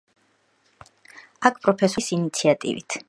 აქ პროფესორ ალფრედ ჰალსტედის ინიციატივით